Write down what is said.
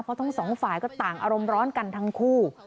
เพราะทั้งสองฝ่ายก็ต่างอารมณ์ร้อนกันทั้งคู่